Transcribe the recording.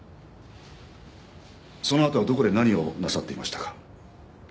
そのあとはどこで何をなさっていましたか？